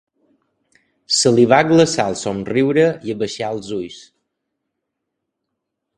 Se li va glaçar el somriure i abaixà els ulls.